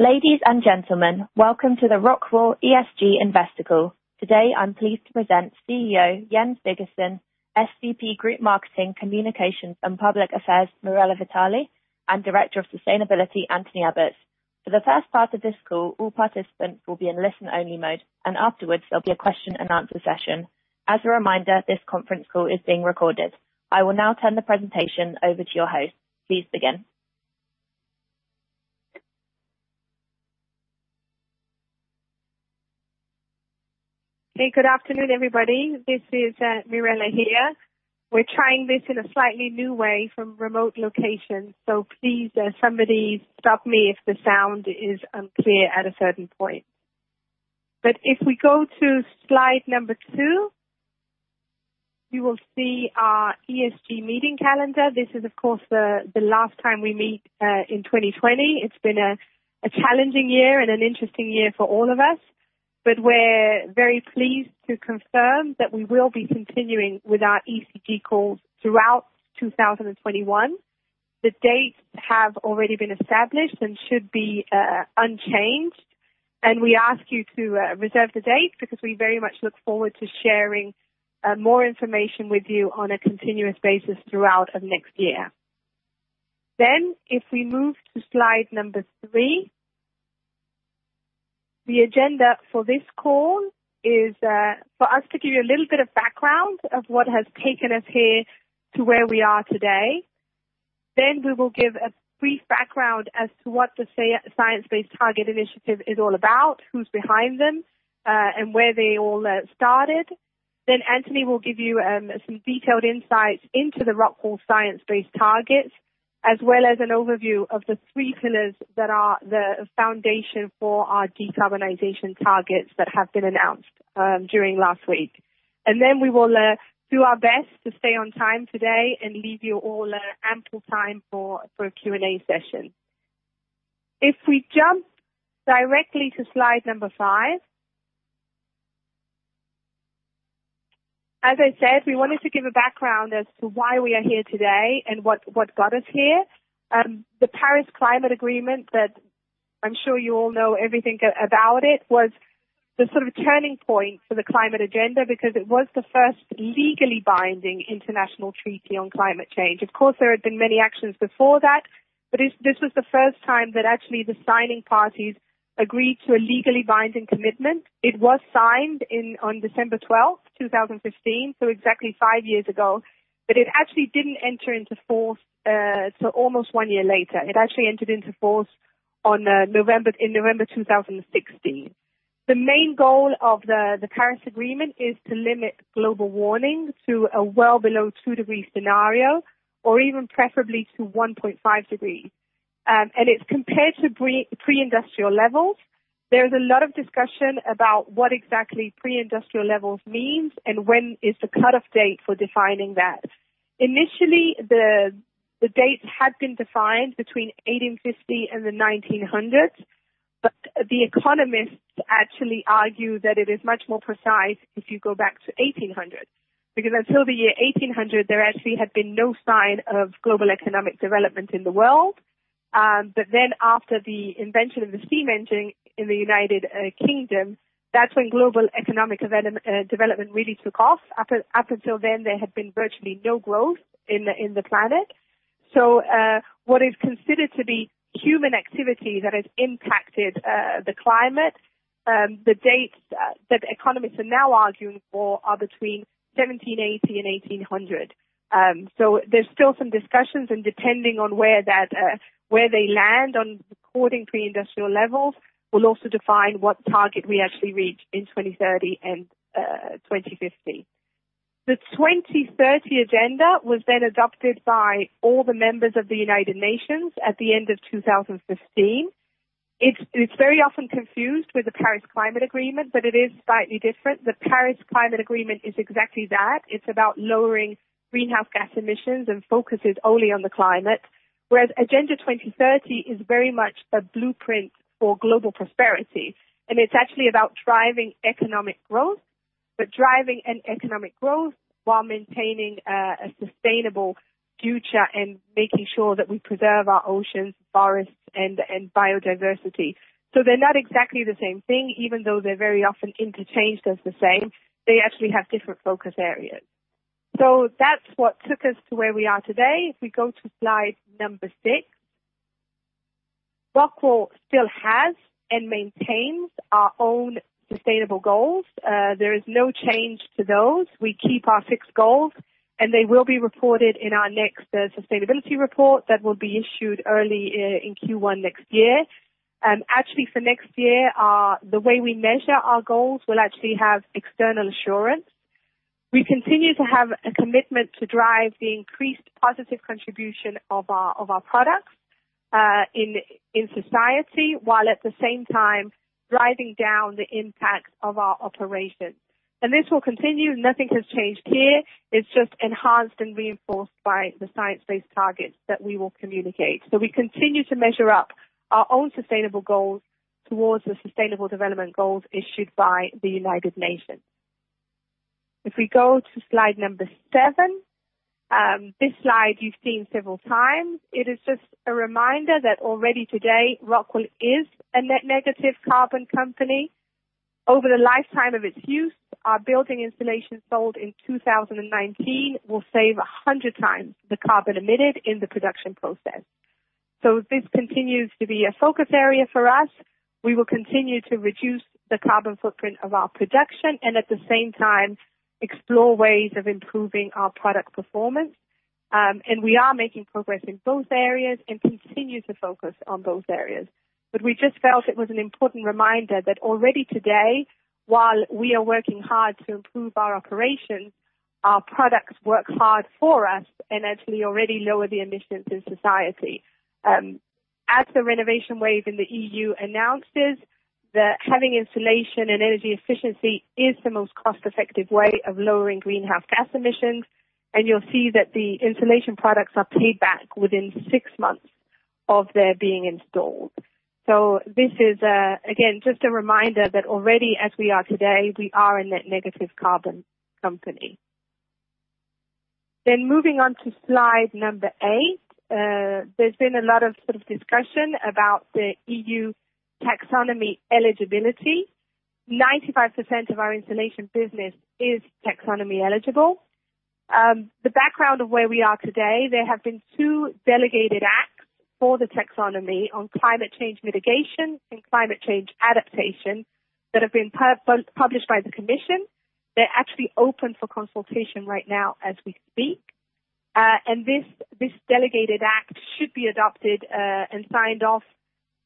Ladies and gentlemen, welcome to the Rockwool ESG Investor Call. Today, I'm pleased to present CEO Jens Birgersson, SVP Group Marketing, Communications, and Public Affairs, Mirella Vitale, and Director of Sustainability, Anthony Abbotts. For the first part of this call, all participants will be in listen-only mode, and afterwards, there'll be a question-and-answer session. As a reminder, this conference call is being recorded. I will now turn the presentation over to your host. Please begin. Okay, good afternoon, everybody. This is Mirella here. We're trying this in a slightly new way from remote locations, so please, somebody stop me if the sound is unclear at a certain point. But if we go to slide number two, you will see our ESG meeting calendar. This is, of course, the last time we meet in 2020. It's been a challenging year and an interesting year for all of us, but we're very pleased to confirm that we will be continuing with our ESG calls throughout 2021. The dates have already been established and should be unchanged, and we ask you to reserve the date because we very much look forward to sharing more information with you on a continuous basis throughout next year. Then, if we move to slide number three, the agenda for this call is for us to give you a little bit of background of what has taken us here to where we are today. Then we will give a brief background as to what the Science Based Targets initiative is all about, who's behind them, and where they all started. Then Anthony will give you some detailed insights into the Rockwool Science-Based Targets, as well as an overview of the three pillars that are the foundation for our decarbonization targets that have been announced during last week. And then we will do our best to stay on time today and leave you all ample time for a Q&A session. If we jump directly to slide number five, as I said, we wanted to give a background as to why we are here today and what got us here. The Paris Climate Agreement that I'm sure you all know everything about it was the sort of turning point for the climate agenda because it was the first legally binding international treaty on climate change. Of course, there had been many actions before that, but this was the first time that actually the signing parties agreed to a legally binding commitment. It was signed on December 12th, 2015, so exactly five years ago, but it actually didn't enter into force until almost one year later. It actually entered into force in November 2016. The main goal of the Paris Agreement is to limit global warming to a well below two degrees scenario, or even preferably to 1.5 degrees, and it's compared to pre-industrial levels. There's a lot of discussion about what exactly pre-industrial levels mean and when is the cut-off date for defining that. Initially, the dates had been defined between 1850 and the 1900s, but the economists actually argue that it is much more precise if you go back to 1800 because until the year 1800, there actually had been no sign of global economic development in the world. But then after the invention of the steam engine in the United Kingdom, that's when global economic development really took off. Up until then, there had been virtually no growth in the planet. So what is considered to be human activity that has impacted the climate, the dates that economists are now arguing for are between 1780 and 1800. So there's still some discussions, and depending on where they land on recording pre-industrial levels, will also define what target we actually reach in 2030 and 2050. The 2030 agenda was then adopted by all the members of the United Nations at the end of 2015. It's very often confused with the Paris Climate Agreement, but it is slightly different. The Paris Climate Agreement is exactly that. It's about lowering greenhouse gas emissions and focuses only on the climate, whereas Agenda 2030 is very much a blueprint for global prosperity, and it's actually about driving economic growth, but driving economic growth while maintaining a sustainable future and making sure that we preserve our oceans, forests, and biodiversity. So they're not exactly the same thing, even though they're very often interchanged as the same. They actually have different focus areas. So that's what took us to where we are today. If we go to slide number six, Rockwool still has and maintains our own sustainable goals. There is no change to those. We keep our fixed goals, and they will be reported in our next sustainability report that will be issued early in Q1 next year. Actually, for next year, the way we measure our goals will actually have external assurance. We continue to have a commitment to drive the increased positive contribution of our products in society while at the same time driving down the impact of our operations, and this will continue. Nothing has changed here. It's just enhanced and reinforced by the science-based targets that we will communicate, so we continue to measure up our own sustainable goals towards the sustainable development goals issued by the United Nations. If we go to slide number seven, this slide you've seen several times. It is just a reminder that already today, Rockwool is a net negative carbon company. Over the lifetime of its use, our building installations sold in 2019 will save 100 times the carbon emitted in the production process, so this continues to be a focus area for us. We will continue to reduce the carbon footprint of our production and at the same time explore ways of improving our product performance, and we are making progress in both areas and continue to focus on both areas, but we just felt it was an important reminder that already today, while we are working hard to improve our operations, our products work hard for us and actually already lower the emissions in society. As the Renovation Wave in the EU announces, having insulation and energy efficiency is the most cost-effective way of lowering greenhouse gas emissions, and you'll see that the insulation products are paid back within six months of their being installed. This is, again, just a reminder that already as we are today, we are a net negative carbon company. Moving on to slide number eight, there's been a lot of sort of discussion about the EU Taxonomy eligibility. 95% of our insulation business is Taxonomy eligible. The background of where we are today, there have been two delegated acts for the Taxonomy on climate change mitigation and climate change adaptation that have been published by the Commission. They're actually open for consultation right now as we speak. This delegated act should be adopted and signed off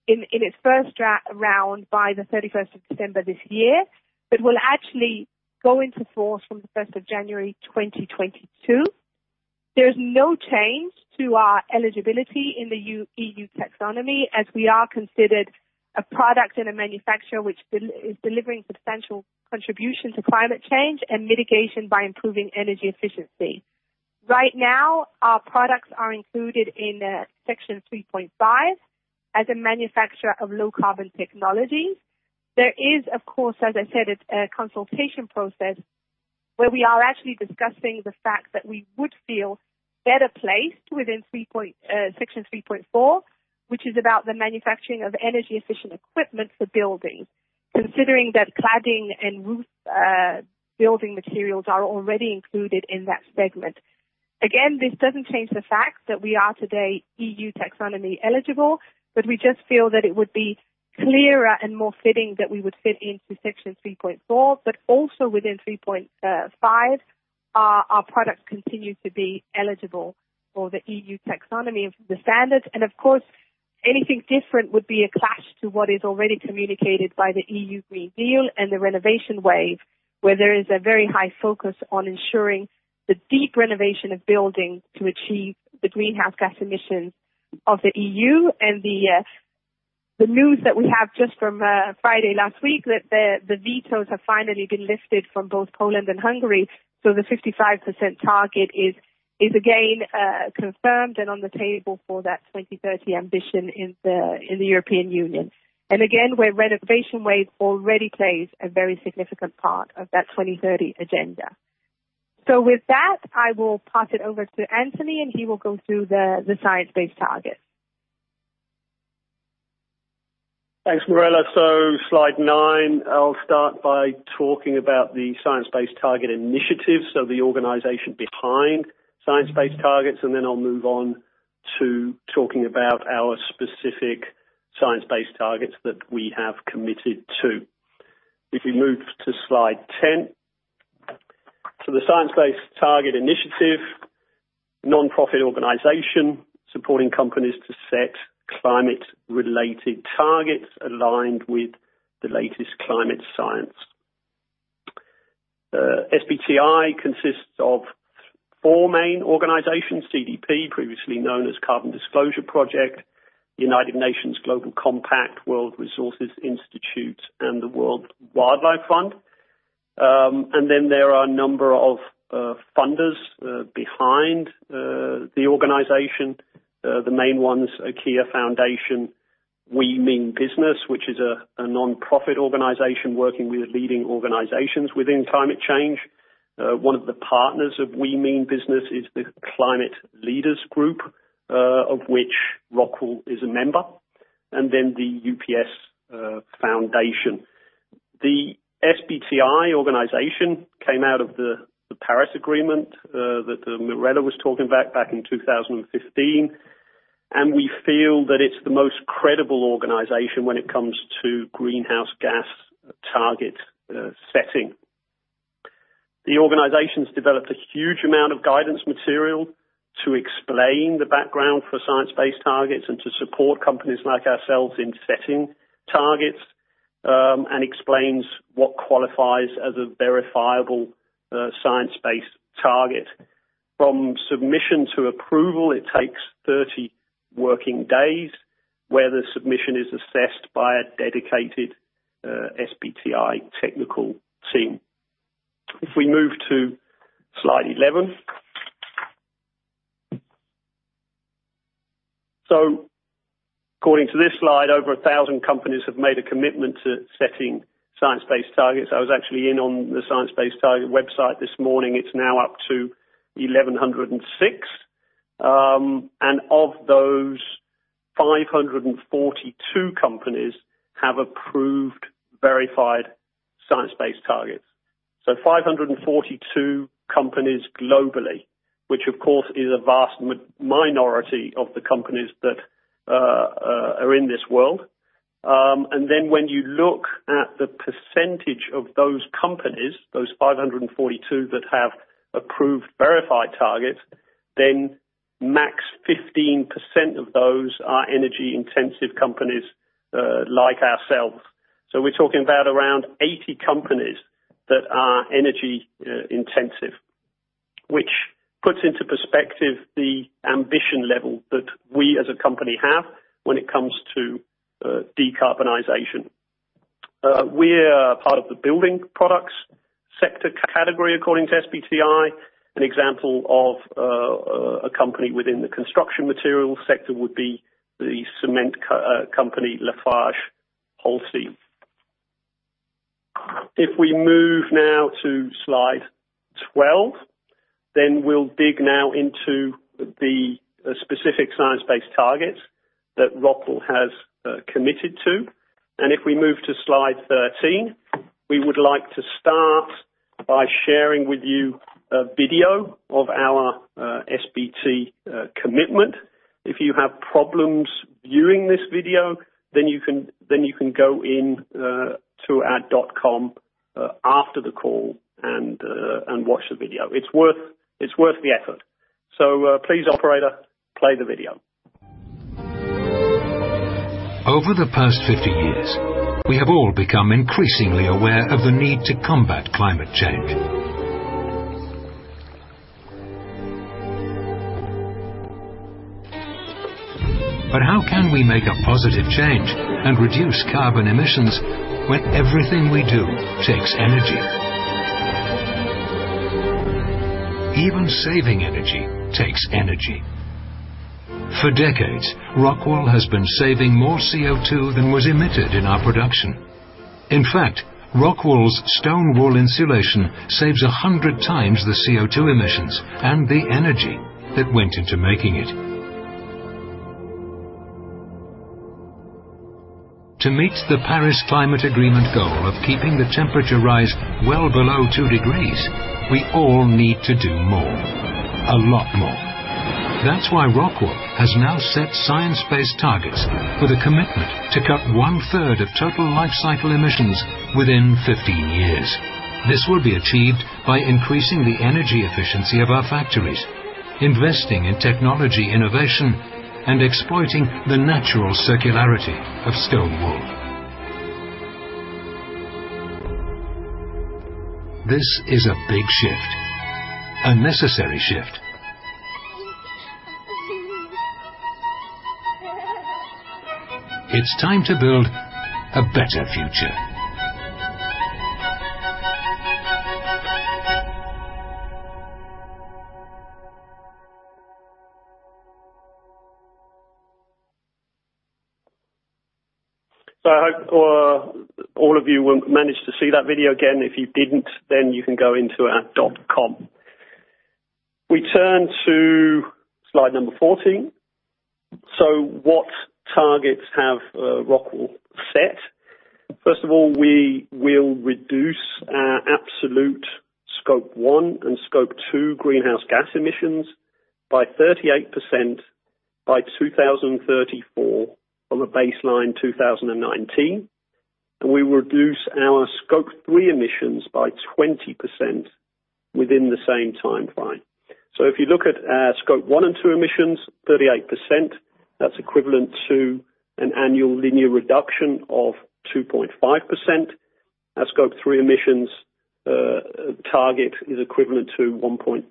in its first round by the 31st of December this year, but will actually go into force from the 1st of January 2022. There is no change to our eligibility in the EU Taxonomy as we are considered a product and a manufacturer which is delivering substantial contribution to climate change mitigation by improving energy efficiency. Right now, our products are included in section 3.5 as a manufacturer of low carbon technologies. There is, of course, as I said, a consultation process where we are actually discussing the fact that we would feel better placed within section 3.4, which is about the manufacturing of energy-efficient equipment for buildings, considering that cladding and roof building materials are already included in that segment. Again, this doesn't change the fact that we are today EU Taxonomy eligible, but we just feel that it would be clearer and more fitting that we would fit into section 3.4. But also within 3.5, our products continue to be eligible for the EU Taxonomy standards. And of course, anything different would be a clash to what is already communicated by the EU Green Deal and the Renovation Wave, where there is a very high focus on ensuring the deep renovation of buildings to achieve the greenhouse gas emissions of the EU. And the news that we have just from Friday last week, that the vetoes have finally been lifted from both Poland and Hungary. So the 55% target is again confirmed and on the table for that 2030 ambition in the European Union. And again, where Renovation Wave already plays a very significant part of that 2030 agenda. So with that, I will pass it over to Anthony, and he will go through the science-based targets. Thanks, Mirella. So slide nine, I'll start by talking about the science-based target initiative, so the organization behind science-based targets, and then I'll move on to talking about our specific science-based targets that we have committed to. If we move to slide 10, so the science-based target initiative, nonprofit organization supporting companies to set climate-related targets aligned with the latest climate science. SBTi consists of four main organizations: CDP, previously known as Carbon Disclosure Project, United Nations Global Compact, World Resources Institute, and the World Wildlife Fund. And then there are a number of funders behind the organization. The main ones, an IKEA Foundation, We Mean Business, which is a nonprofit organization working with leading organizations within climate change. One of the partners of We Mean Business is the Climate Leaders Group, of which Rockwool is a member, and then the UPS Foundation. The SBTi organization came out of the Paris Agreement that Mirella was talking about back in 2015, and we feel that it's the most credible organization when it comes to greenhouse gas target setting. The organization has developed a huge amount of guidance material to explain the background for science-based targets and to support companies like ourselves in setting targets and explains what qualifies as a verifiable science-based target. From submission to approval, it takes 30 working days, where the submission is assessed by a dedicated SBTi technical team. If we move to slide 11. So according to this slide, over 1,000 companies have made a commitment to setting science-based targets. I was actually on the Science Based Targets website this morning. It's now up to 1,106. And of those, 542 companies have approved verified science-based targets. So 542 companies globally, which of course is a vast minority of the companies that are in this world. And then when you look at the percentage of those companies, those 542 that have approved verified targets, then max 15% of those are energy-intensive companies like ourselves. So we're talking about around 80 companies that are energy-intensive, which puts into perspective the ambition level that we as a company have when it comes to decarbonization. We're part of the building products sector category according to SBTi. An example of a company within the construction materials sector would be the cement company LafargeHolcim. If we move now to slide 12, then we'll dig now into the specific science-based targets that Rockwool has committed to. And if we move to slide 13, we would like to start by sharing with you a video of our SBT commitment. If you have problems viewing this video, then you can go in to our dot com after the call and watch the video. It's worth the effort. So please, operator, play the video. Over the past 50 years, we have all become increasingly aware of the need to combat climate change. But how can we make a positive change and reduce carbon emissions when everything we do takes energy? Even saving energy takes energy. For decades, Rockwool has been saving more CO2 than was emitted in our production. In fact, Rockwool's stone wool insulation saves 100 times the CO2 emissions and the energy that went into making it. To meet the Paris Climate Agreement goal of keeping the temperature rise well below two degrees, we all need to do more, a lot more. That's why Rockwool has now set science-based targets with a commitment to cut one-third of total life cycle emissions within 15 years. This will be achieved by increasing the energy efficiency of our factories, investing in technology innovation, and exploiting the natural circularity of stone wool. This is a big shift, a necessary shift. It's time to build a better future. So I hope all of you will manage to see that video again. If you didn't, then you can go into our dot com. We turn to slide number 14. So what targets have Rockwool set? First of all, we will reduce our absolute Scope 1 and Scope 2 greenhouse gas emissions by 38% by 2034 from a baseline 2019. And we will reduce our Scope 3 emissions by 20% within the same timeframe. So if you look at Scope 1 and 2 emissions, 38%, that's equivalent to an annual linear reduction of 2.5%. Our Scope 3 emissions target is equivalent to 1.3%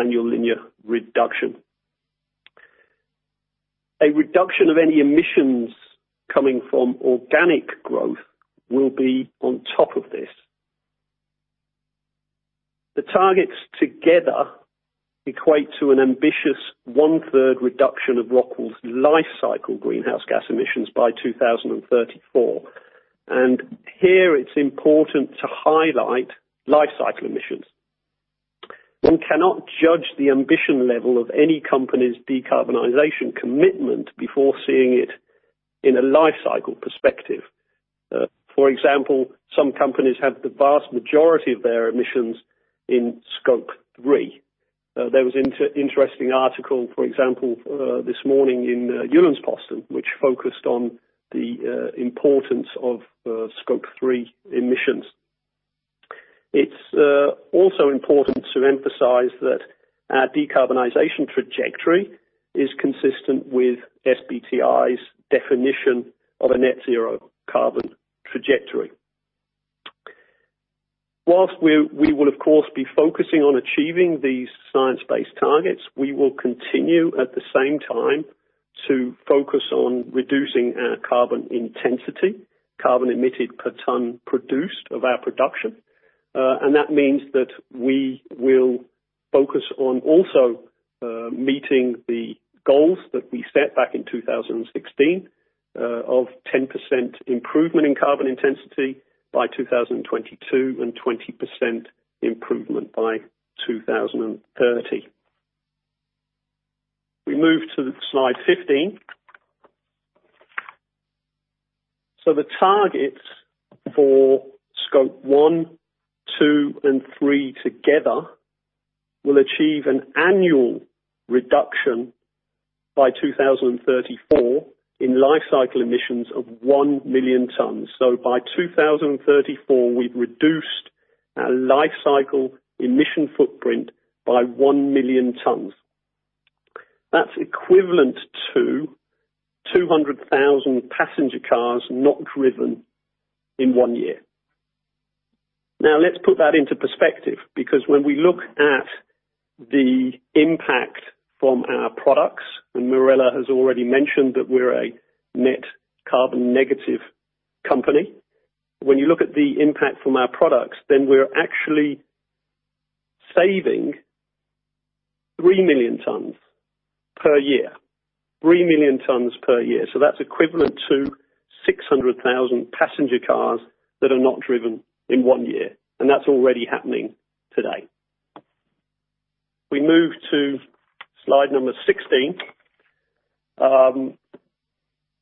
annual linear reduction. A reduction of any emissions coming from organic growth will be on top of this. The targets together equate to an ambitious one-third reduction of Rockwool's life cycle greenhouse gas emissions by 2034. And here it's important to highlight life cycle emissions. One cannot judge the ambition level of any company's decarbonization commitment before seeing it in a life cycle perspective. For example, some companies have the vast majority of their emissions in Scope 3. There was an interesting article, for example, this morning in Jyllands-Posten, which focused on the importance of Scope 3 emissions. It's also important to emphasize that our decarbonization trajectory is consistent with SBTi's definition of a net zero carbon trajectory. While we will, of course, be focusing on achieving these science-based targets, we will continue at the same time to focus on reducing our carbon intensity, carbon emitted per ton produced of our production, and that means that we will focus on also meeting the goals that we set back in 2016 of 10% improvement in carbon intensity by 2022 and 20% improvement by 2030. We move to slide 15. So the targets for Scope 1, 2, and 3 together will achieve an annual reduction by 2034 in life cycle emissions of 1 million tons. So by 2034, we've reduced our life cycle emission footprint by 1 million tons. That's equivalent to 200,000 passenger cars not driven in one year. Now, let's put that into perspective because when we look at the impact from our products, and Mirella has already mentioned that we're a net carbon negative company, when you look at the impact from our products, then we're actually saving 3 million tons per year, 3 million tons per year. So that's equivalent to 600,000 passenger cars that are not driven in one year. And that's already happening today. We move to slide number 16.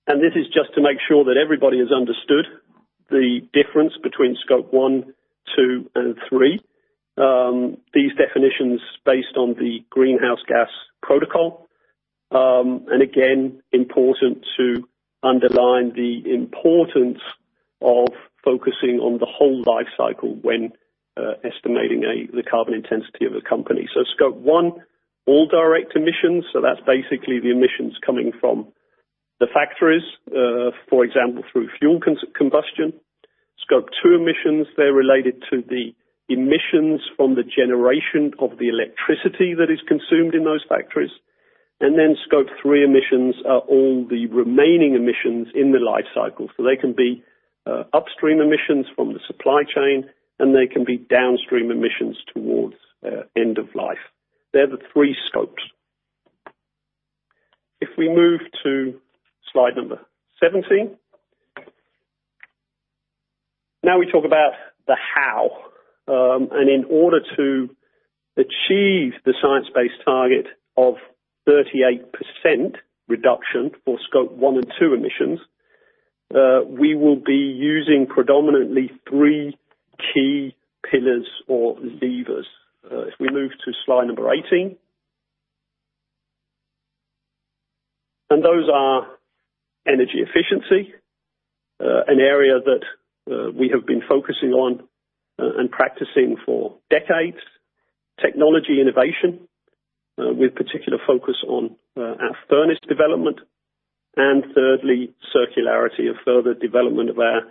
And this is just to make sure that everybody has understood the difference between Scope 1, 2, and 3. These definitions are based on the Greenhouse Gas Protocol. And again, important to underline the importance of focusing on the whole life cycle when estimating the carbon intensity of a company. So Scope 1, all direct emissions. So that's basically the emissions coming from the factories, for example, through fuel combustion. Scope 2 emissions, they're related to the emissions from the generation of the electricity that is consumed in those factories. And then Scope 3 emissions are all the remaining emissions in the life cycle. So they can be upstream emissions from the supply chain, and they can be downstream emissions towards end of life. They're the three scopes. If we move to slide number 17, now we talk about the how. And in order to achieve the Science-Based Target of 38% reduction for Scope 1 and 2 emissions, we will be using predominantly three key pillars or levers. If we move to slide number 18, and those are energy efficiency, an area that we have been focusing on and practicing for decades, technology innovation with particular focus on our furnace development, and thirdly, circularity of further development of our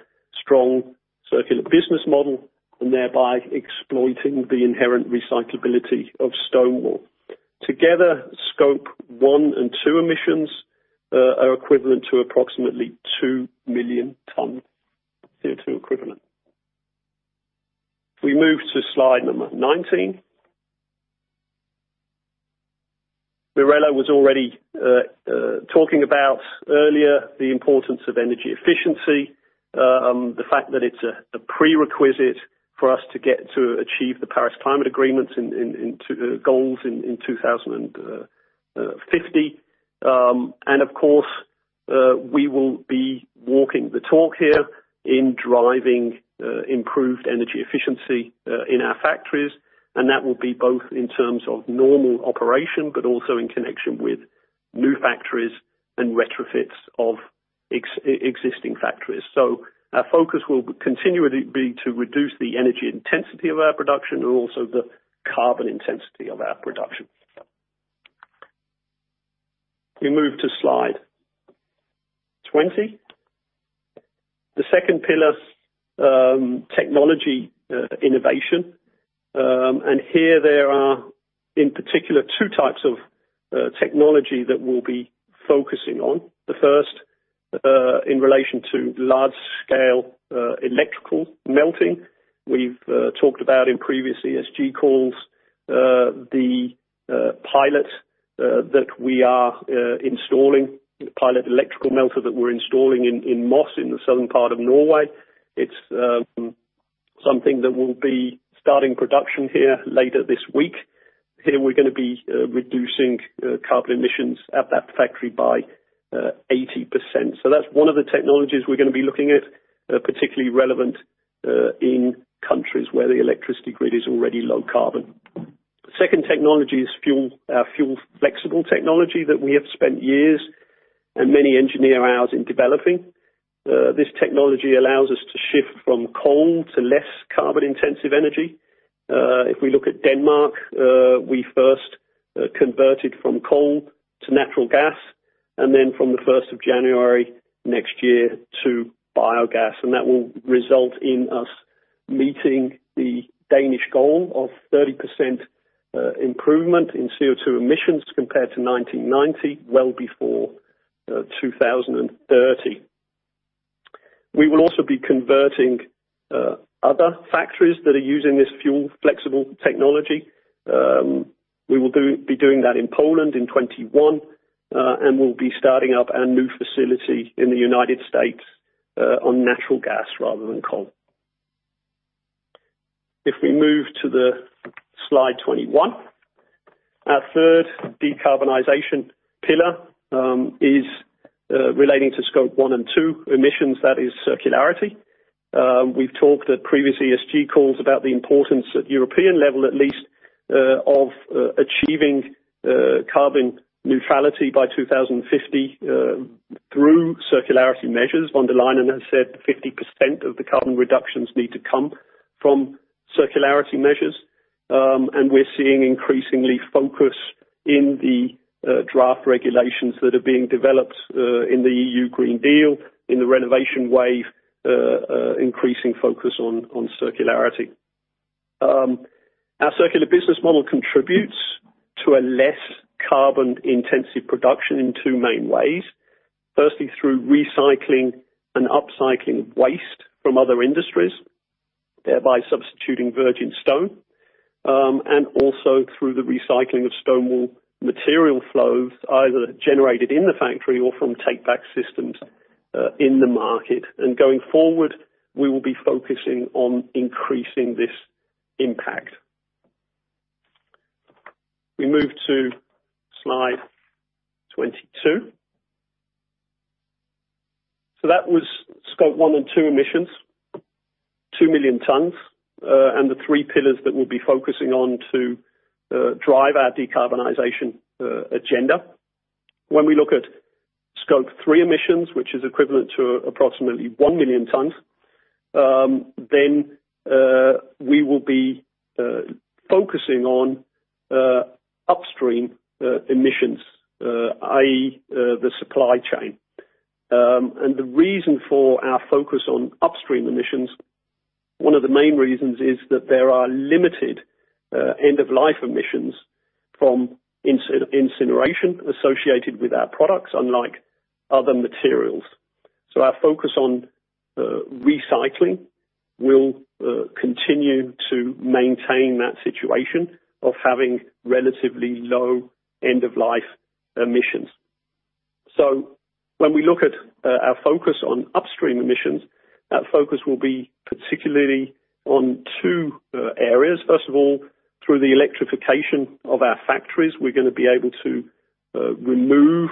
strong circular business model and thereby exploiting the inherent recyclability of stone wool. Together, Scope 1 and 2 emissions are equivalent to approximately 2 million tons CO2 equivalent. We move to slide number 19. Mirella was already talking about earlier the importance of energy efficiency, the fact that it's a prerequisite for us to get to achieve the Paris Climate Agreement goals in 2050. And of course, we will be walking the talk here in driving improved energy efficiency in our factories. And that will be both in terms of normal operation, but also in connection with new factories and retrofits of existing factories. So our focus will continually be to reduce the energy intensity of our production and also the carbon intensity of our production. We move to slide 20. The second pillar, technology innovation. And here there are, in particular, two types of technology that we'll be focusing on. The first, in relation to large-scale electrical melting. We've talked about in previous ESG calls the pilot that we are installing, the pilot electrical melter that we're installing in Moss in the southern part of Norway. It's something that will be starting production here later this week. Here we're going to be reducing carbon emissions at that factory by 80%. So that's one of the technologies we're going to be looking at, particularly relevant in countries where the electricity grid is already low carbon. Second technology is fuel flexible technology that we have spent years and many engineer hours in developing. This technology allows us to shift from coal to less carbon-intensive energy. If we look at Denmark, we first converted from coal to natural gas, and then from the 1st of January next year to biogas, and that will result in us meeting the Danish goal of 30% improvement in CO2 emissions compared to 1990, well before 2030. We will also be converting other factories that are using this fuel flexible technology. We will be doing that in Poland in 2021, and we'll be starting up a new facility in the United States on natural gas rather than coal. If we move to slide 21, our third decarbonization pillar is relating to scope one and two emissions. That is circularity. We've talked at previous ESG calls about the importance, at European level at least, of achieving carbon neutrality by 2050 through circularity measures. von der Leyen has said 50% of the carbon reductions need to come from circularity measures. And we're seeing increasingly focus in the draft regulations that are being developed in the EU Green Deal, in the Renovation Wave, increasing focus on circularity. Our circular business model contributes to a less carbon-intensive production in two main ways. Firstly, through recycling and upcycling waste from other industries, thereby substituting virgin stone, and also through the recycling of stone wool material flows, either generated in the factory or from take-back systems in the market. And going forward, we will be focusing on increasing this impact. We move to slide 22. So that was Scope 1 and 2 emissions, 2 million tons, and the three pillars that we'll be focusing on to drive our decarbonization agenda. When we look at Scope 3 emissions, which is equivalent to approximately one million tons, then we will be focusing on upstream emissions, i.e., the supply chain, and the reason for our focus on upstream emissions, one of the main reasons is that there are limited end-of-life emissions from incineration associated with our products, unlike other materials, so our focus on recycling will continue to maintain that situation of having relatively low end-of-life emissions, so when we look at our focus on upstream emissions, that focus will be particularly on two areas. First of all, through the electrification of our factories, we're going to be able to remove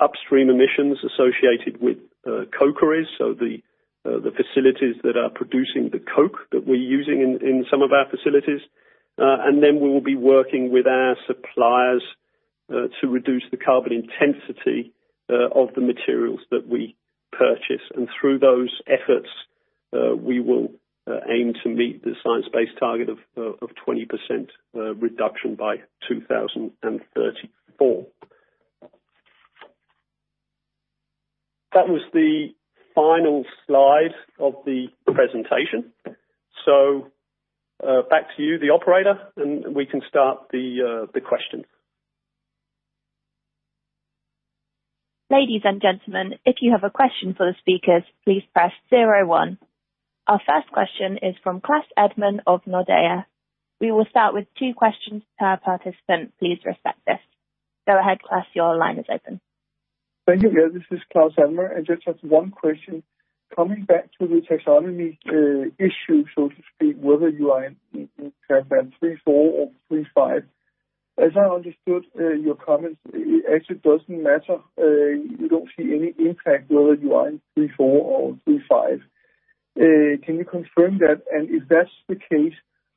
upstream emissions associated with cokeries, so the facilities that are producing the coke that we're using in some of our facilities, and then we will be working with our suppliers to reduce the carbon intensity of the materials that we purchase. And through those efforts, we will aim to meet the science-based target of 20% reduction by 2034. That was the final slide of the presentation. So back to you, the operator, and we can start the questions. Ladies and gentlemen, if you have a question for the speakers, please press 01. Our first question is from Claus Almer of Nordea. We will start with two questions per participant. Please respect this. Go ahead, Klaus. Your line is open. Thank you. Yeah, this is Claus Almer. I just have one question. Coming back to the taxonomy issue, so to speak, whether you are in paragraph 34 or 35, as I understood your comments, it actually doesn't matter. You don't see any impact whether you are in 34 or 35. Can you confirm that? If that's the case,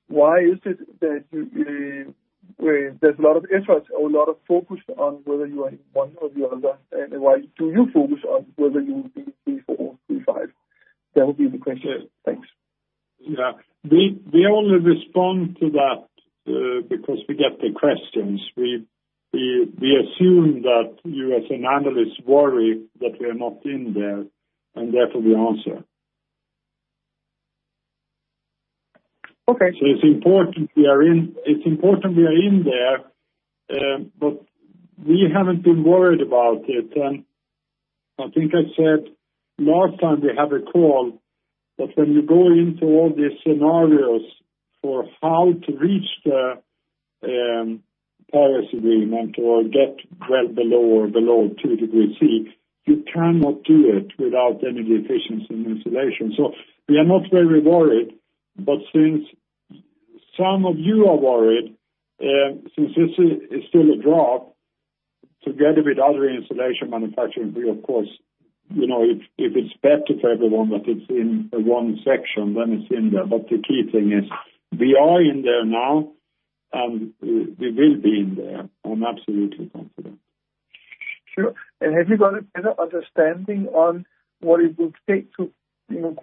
why is it that there's a lot of effort or a lot of focus on whether you are in one or the other? Why do you focus on whether you will be in 34 or 35? That would be the question. Thanks. Yeah. We only respond to that because we get the questions. We assume that you, as an analyst, worry that we are not in there, and therefore we answer. Okay. So it's important we are in there, but we haven't been worried about it. I think I said last time we had a call that when you go into all these scenarios for how to reach the Paris Agreement or get well below or below 2 degrees Celsius, you cannot do it without energy efficiency and insulation. So we are not very worried, but since some of you are worried, since this is still a draft, together with other insulation manufacturers, we, of course, if it's better for everyone that it's in one section, then it's in there. But the key thing is we are in there now, and we will be in there. I'm absolutely confident. Sure. And have you got a better understanding on what it would take to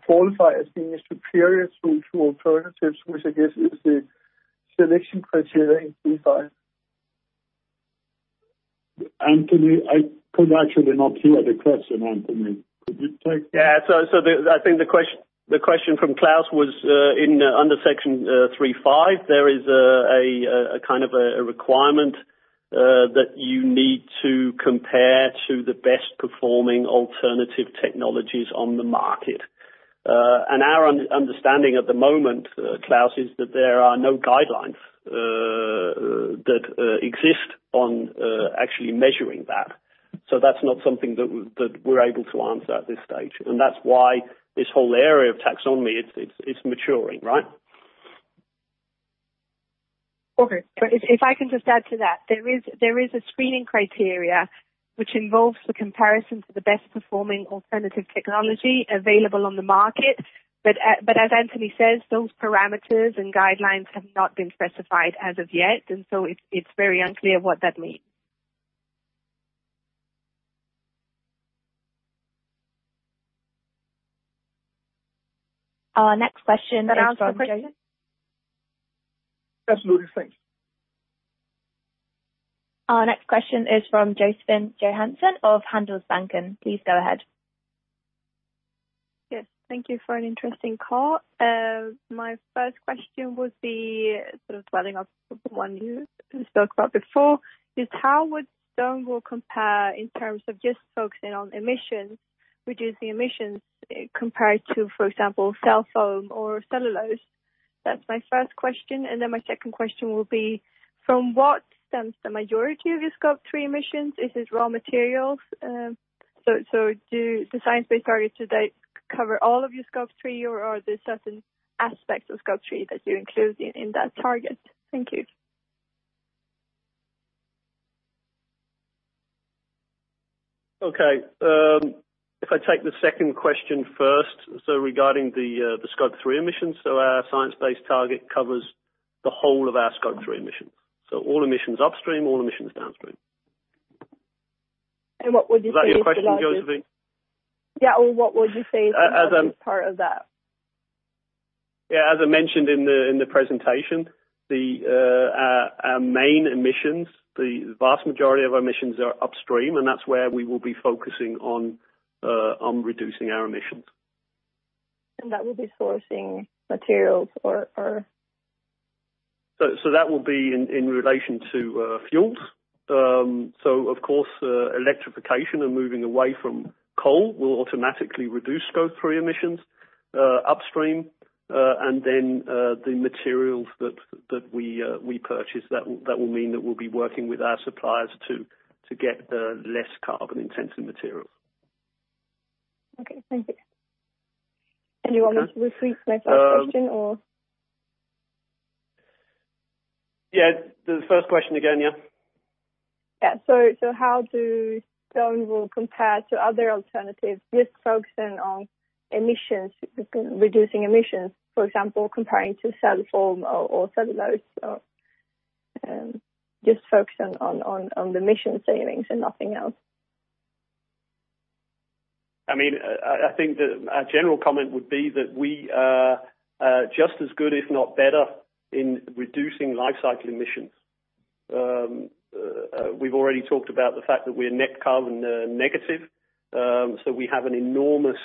qualify as being a superior through two alternatives, which I guess is the selection criteria in 35? Anthony, I could actually not hear the question, Anthony. Could you take? Yeah. So I think the question from Claus was under section 35. There is a kind of a requirement that you need to compare to the best-performing alternative technologies on the market. Our understanding at the moment, Claus, is that there are no guidelines that exist on actually measuring that. So that's not something that we're able to answer at this stage. And that's why this whole area of taxonomy, it's maturing, right? Okay. But if I can just add to that, there is a screening criteria which involves the comparison to the best-performing alternative technology available on the market. But as Anthony says, those parameters and guidelines have not been specified as of yet. And so it's very unclear what that means. Our next question is from Jason. Absolutely. Thanks. Our next question is from Josefine Johansen of Handelsbanken. Please go ahead. Yes. Thank you for an interesting call. My first question would be sort of dwelling on the one you spoke about before, is how would stone wool compare in terms of just focusing on emissions, reducing emissions compared to, for example, cellular foam or cellulose? That's my first question. And then my second question will be, from what stems the majority of your scope three emissions? Is it raw materials? So do the Science-Based Targets today cover all of your scope three, or are there certain aspects of scope three that you include in that target? Thank you. Okay. If I take the second question first, so regarding the scope three emissions, so our Science-Based Target covers the whole of our scope three emissions. So all emissions upstream, all emissions downstream. And what would you say? Is that your question, Josephine? Yeah. Or what would you say is the main part of that? Yeah. As I mentioned in the presentation, our main emissions, the vast majority of our emissions are upstream, and that's where we will be focusing on reducing our emissions. That will be sourcing materials, or? That will be in relation to fuels. Of course, electrification and moving away from coal will automatically reduce Scope 3 emissions upstream. Then the materials that we purchase, that will mean that we'll be working with our suppliers to get less carbon-intensive materials. Okay. Thank you. Do you want me to repeat my first question, or? Yeah. The first question again, yeah? Yeah. How do stone wool compare to other alternatives just focusing on emissions, reducing emissions, for example, comparing to cellular foam or cellulose or just focusing on the emission savings and nothing else? I mean, I think that our general comment would be that we are just as good, if not better, in reducing life cycle emissions. We've already talked about the fact that we're net carbon negative, so we have an enormous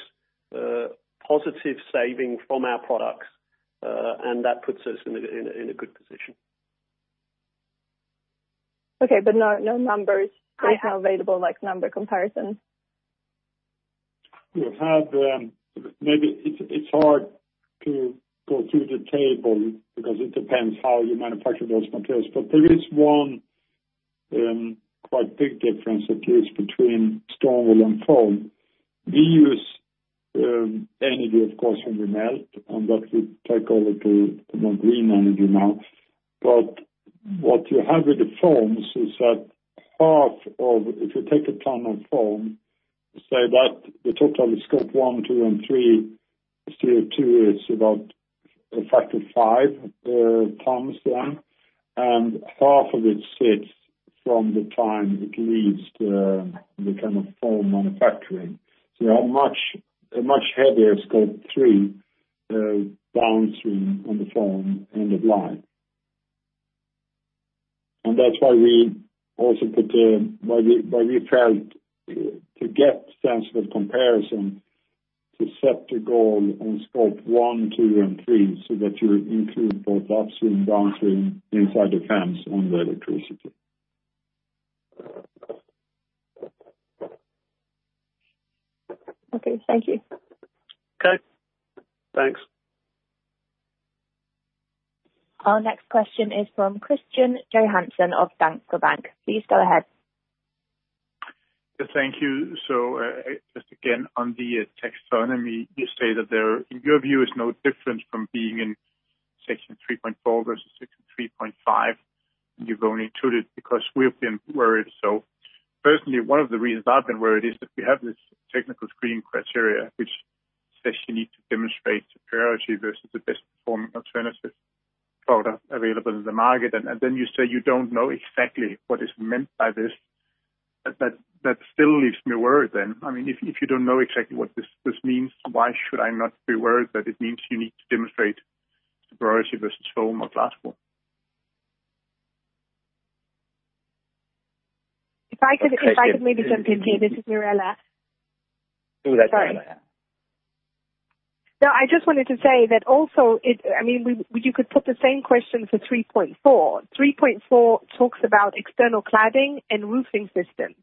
positive saving from our products, and that puts us in a good position. Okay. But no numbers available like number comparisons? We've had maybe it's hard to go through the table because it depends how you manufacture those materials. But there is one quite big difference, at least between stone wool and foam. We use energy, of course, when we melt, and that we take over to more green energy now. But what you have with the foams is that half of if you take a ton of foam, say that the total of scope one, two, and three, CO2 is about a factor of five tons then, and half of it sits from the time it leaves the kind of foam manufacturing. So you have a much heavier scope three downstream on the foam end of life. And that's why we also put the why we felt to get sensible comparison to set the goal on scope one, two, and three so that you include both upstream and downstream inside the fans on the electricity. Okay. Thank you. Okay. Thanks. Our next question is from Christian Johansen of Danske Bank. Please go ahead. Yes. Thank you. So just again, on the taxonomy, you say that there, in your view, is no difference from being in section 3.4 versus section 3.5, and you've only included because we've been worried, so personally, one of the reasons I've been worried is that we have this technical screening criteria, which says you need to demonstrate superiority versus the best-performing alternative product available in the market, and then you say you don't know exactly what is meant by this. That still leaves me worried then. I mean, if you don't know exactly what this means, why should I not be worried that it means you need to demonstrate superiority versus foam or glass wool? If I could maybe jump in here, this is Mirella. Oh, that's Mirella, yeah. No, I just wanted to say that also, I mean, you could put the same question for 3.4. 3.4 talks about external cladding and roofing systems.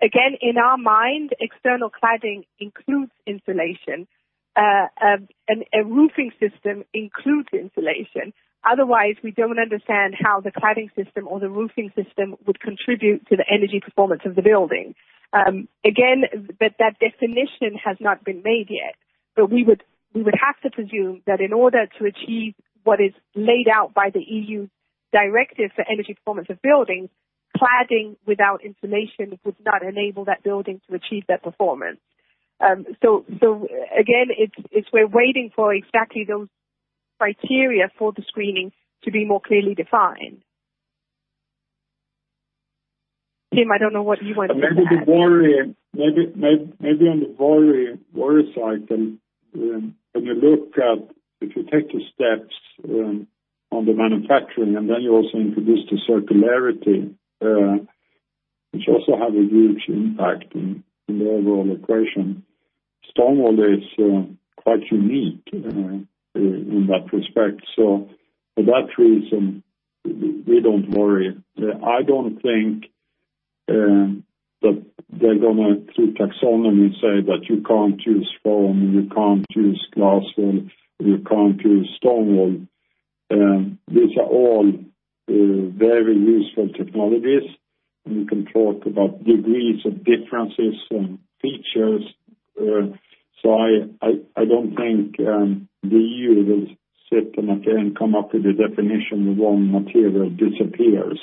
Again, in our mind, external cladding includes insulation. A roofing system includes insulation. Otherwise, we don't understand how the cladding system or the roofing system would contribute to the energy performance of the building. Again, that definition has not been made yet, but we would have to presume that in order to achieve what is laid out by the EU directive for energy performance of buildings, cladding without insulation would not enable that building to achieve that performance. So again, we're waiting for exactly those criteria for the screening to be more clearly defined. Tim, I don't know what you want to say. Maybe on the worry side, when you look at if you take the steps on the manufacturing, and then you also introduce the circularity, which also have a huge impact on the overall equation, stone wool is quite unique in that respect. So for that reason, we don't worry. I don't think that they're going to, through taxonomy, say that you can't use foam, you can't use glass wool, you can't use stone wool. These are all very useful technologies. You can talk about degrees of differences and features. So I don't think the EU will sit and come up with a definition where one material disappears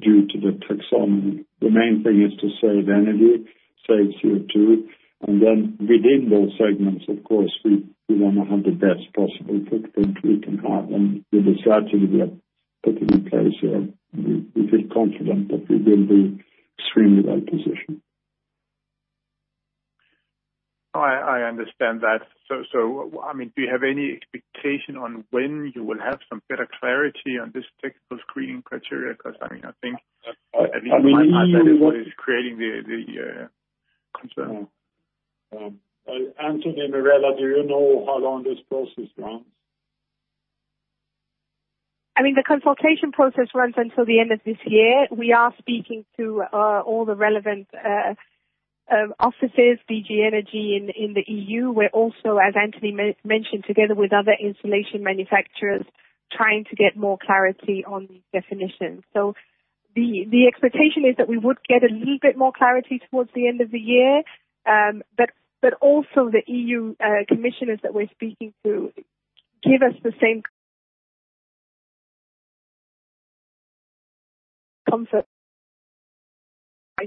due to the taxonomy. The main thing is to say the energy saves CO2, and then within those segments, of course, we want to have the best possible footprint we can have. With the strategy we have put in place, we feel confident that we will be extremely well positioned. I understand that. I mean, do you have any expectation on when you will have some better clarity on this technical screening criteria? Because I mean, I think at least I mean, you were creating the concern. Anthony, Mirella, do you know how long this process runs? I mean, the consultation process runs until the end of this year. We are speaking to all the relevant offices, DG Energy in the EU. We're also, as Anthony mentioned, together with other insulation manufacturers, trying to get more clarity on definitions. The expectation is that we would get a little bit more clarity towards the end of the year. Also, the EU commissioners that we're speaking to give us the same comfort.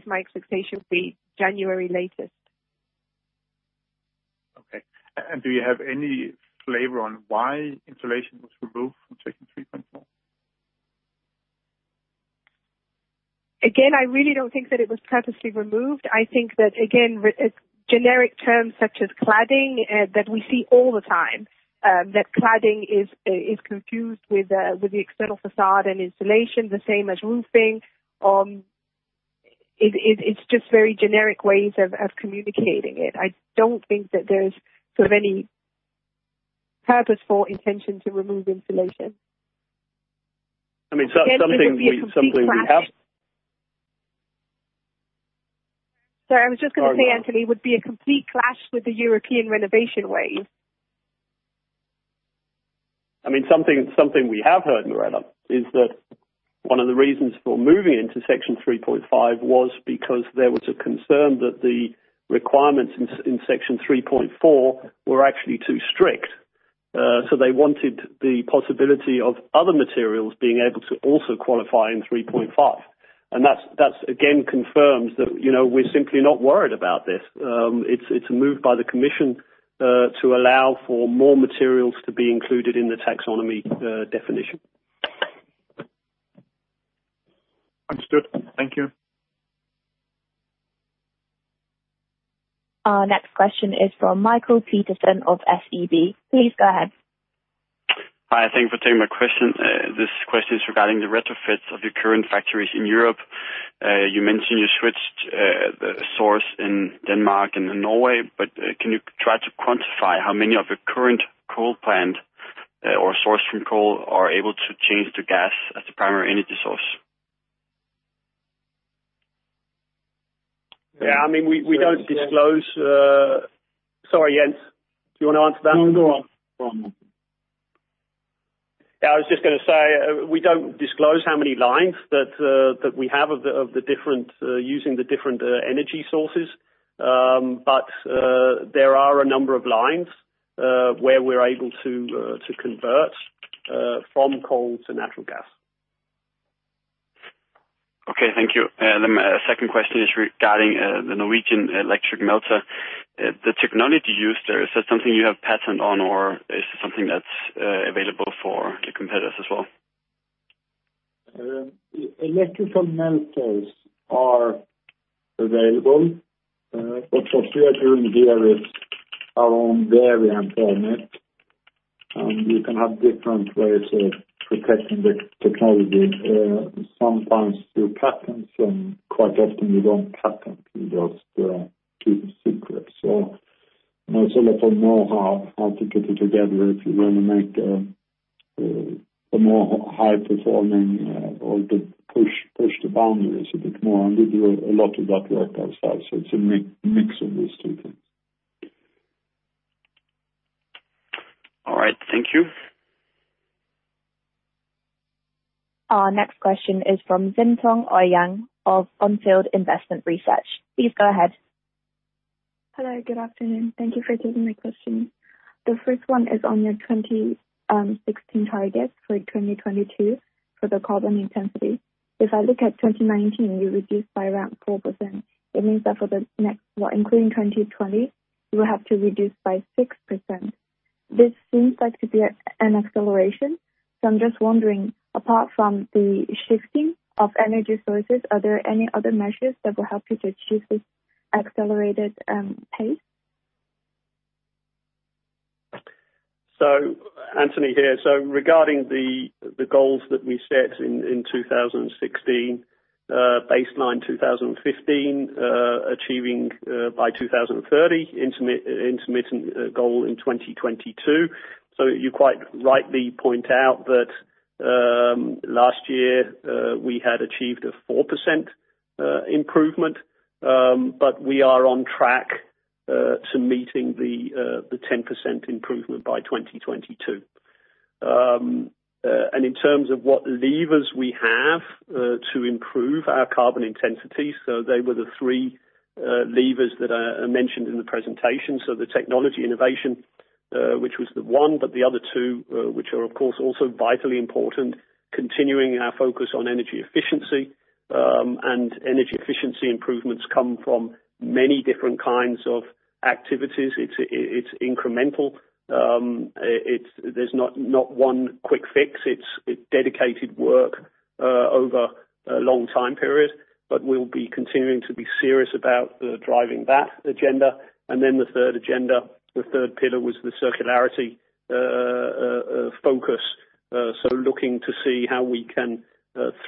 My expectation would be January latest. Okay. Do you have any flavor on why insulation was removed from section 3.4? Again, I really don't think that it was purposely removed. I think that, again, generic terms such as cladding that we see all the time, that cladding is confused with the external facade and insulation, the same as roofing. It's just very generic ways of communicating it. I don't think that there's sort of any purposeful intention to remove insulation. I mean, something we have. Sorry, I was just going to say, Anthony, it would be a complete clash with the European Renovation Wave. I mean, something we have heard, Mirella, is that one of the reasons for moving into section 3.5 was because there was a concern that the requirements in section 3.4 were actually too strict. They wanted the possibility of other materials being able to also qualify in 3.5.That's, again, confirms that we're simply not worried about this. It's a move by the commission to allow for more materials to be included in the taxonomy definition. Understood. Thank you. Our next question is from Michael Rasmussen of SEB. Please go ahead. Hi. Thank you for taking my question. This question is regarding the retrofits of your current factories in Europe. You mentioned you switched the source in Denmark and Norway, but can you try to quantify how many of your current coal plant or source from coal are able to change to gas as the primary energy source? Yeah. I mean, we don't disclose, sorry, Jens. Do you want to answer that? No, go on. Go on. Yeah. I was just going to say we don't disclose how many lines that we have of the different using the different energy sources, but there are a number of lines where we're able to convert from coal to natural gas. Okay. Thank you. And then my second question is regarding the Norwegian electrical melter. The technology used, is that something you have patent on, or is it something that's available for the competitors as well? Electrical melters are available, but what we are doing here is our own variant on it. You can have different ways of protecting the technology. Sometimes you patent them. Quite often, you don't patent. You just keep it secret. So it's a lot of know-how to put it together if you want to make a more high-performing or to push the boundaries a bit more. And we do a lot of that work ourselves. So it's a mix of those two things. All right. Thank you. Our next question is from Xintong Ouyang of Ampfield Management. Please go ahead. Hello. Good afternoon. Thank you for taking my question. The first one is on your 2016 target for 2022 for the carbon intensity. If I look at 2019, you reduced by around 4%. It means that for the next, including 2020, you will have to reduce by 6%. This seems like to be an acceleration. So I'm just wondering, apart from the shifting of energy sources, are there any other measures that will help you to achieve this accelerated pace? So Anthony here. So regarding the goals that we set in 2016, baseline 2015, achieving by 2030, interim goal in 2022. You quite rightly point out that last year we had achieved a 4% improvement, but we are on track to meeting the 10% improvement by 2022. And in terms of what levers we have to improve our carbon intensity, so they were the three levers that are mentioned in the presentation. So the technology innovation, which was the one, but the other two, which are, of course, also vitally important, continuing our focus on energy efficiency. And energy efficiency improvements come from many different kinds of activities. It's incremental. There's not one quick fix. It's dedicated work over a long time period, but we'll be continuing to be serious about driving that agenda. And then the third agenda, the third pillar was the circularity focus. So looking to see how we can,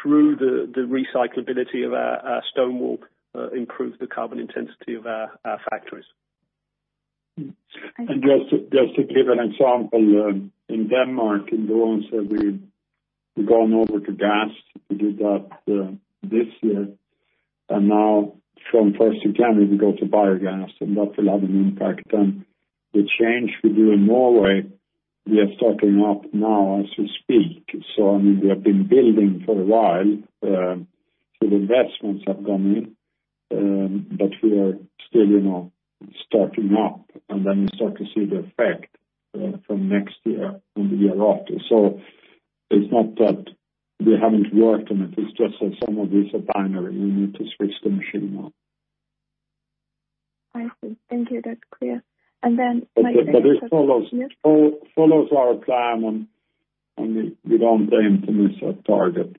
through the recyclability of our stone wool, improve the carbon intensity of our factories. And just to give an example, in Denmark, in the ones that we've gone over to gas, we did that this year. And now, from the first of January, we go to biogas, and that will have an impact. And the change we do in Norway, we are starting up now as we speak. So I mean, we have been building for a while. So the investments have gone in, but we are still starting up. And then we start to see the effect from next year and the year after. So it's not that we haven't worked on it. It's just that some of these are binary. We need to switch the machine now. I see. Thank you. That's clear. And then my second question is just. But it follows our plan, and we don't aim to miss our target.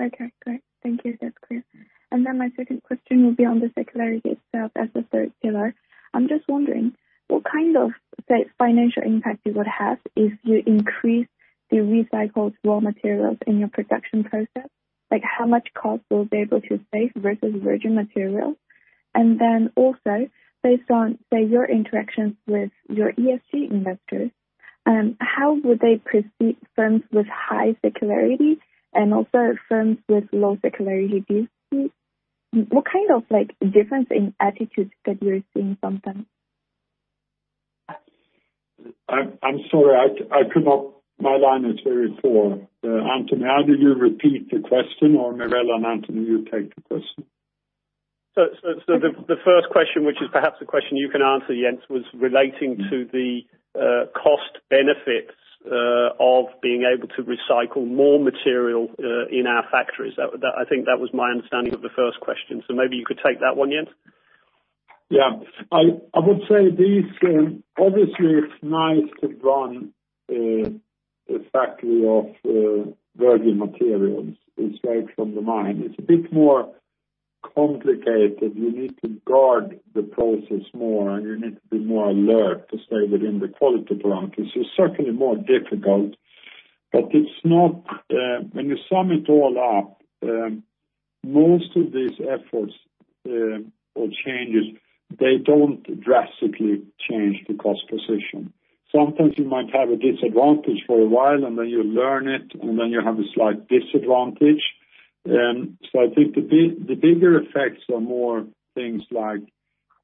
Okay. Great. Thank you. That's clear. Then my second question will be on the circularity itself as the third pillar. I'm just wondering what kind of financial impact you would have if you increase the recycled raw materials in your production process. How much cost will they be able to save versus virgin materials? And then also, based on, say, your interactions with your ESG investors, how would they perceive firms with high circularity and also firms with low circularity? What kind of difference in attitudes that you're seeing sometimes? I'm sorry. My line is very poor. Anthony, how do you repeat the question? Or Mirella and Anthony, you take the question. The first question, which is perhaps a question you can answer, Jens, was relating to the cost benefits of being able to recycle more material in our factories. I think that was my understanding of the first question. So maybe you could take that one, Jens. Yeah. I would say, obviously, it's nice to run a factory of virgin materials. It's right from the mine. It's a bit more complicated. You need to guard the process more, and you need to be more alert to stay within the quality parameters. It's certainly more difficult, but it's not when you sum it all up, most of these efforts or changes, they don't drastically change the cost position. Sometimes you might have a disadvantage for a while, and then you learn it, and then you have a slight disadvantage. So I think the bigger effects are more things like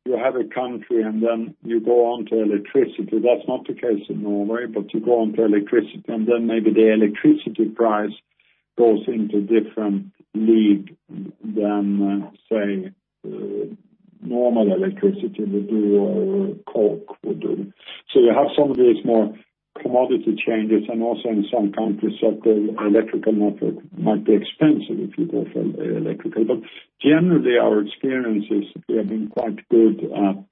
you have a country, and then you go on to electricity. That's not the case in Norway, but you go on to electricity, and then maybe the electricity price goes into a different league than, say, normal electricity would do or coke would do. So you have some of these more commodity changes, and also in some countries, electrical network might be expensive if you go for electrical. But generally, our experience is we have been quite good at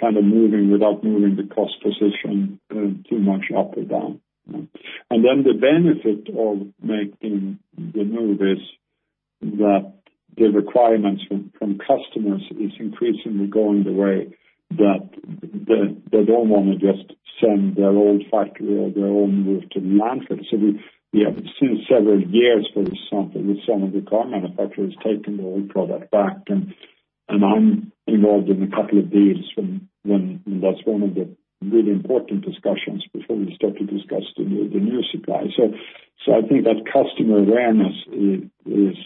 kind of moving without moving the cost position too much up or down. And then the benefit of making the move is that the requirements from customers is increasingly going the way that they don't want to just send their old factory or their old roof to the landfill. So we have seen several years, for example, with some of the car manufacturers taking the old product back. And I'm involved in a couple of deals, and that's one of the really important discussions before we start to discuss the new supply. So I think that customer awareness is